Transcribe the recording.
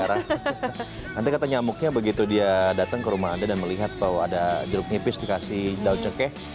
nanti kata nyamuknya begitu dia datang ke rumah anda dan melihat bahwa ada jeruk nipis dikasih daun cengkeh